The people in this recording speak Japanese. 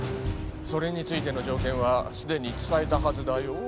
それについての条件はすでに伝えたはずだよ。